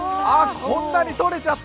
こんなに取れちゃった。